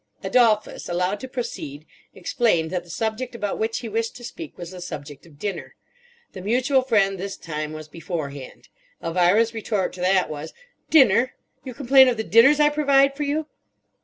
Adolphus, allowed to proceed, explained that the subject about which he wished to speak was the subject of dinner. The mutual friend this time was beforehand. Elvira's retort to that was: "Dinner! You complain of the dinners I provide for you?"